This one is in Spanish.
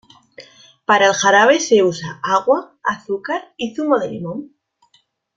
Para el jarabe se usa agua, azúcar y zumo de limón.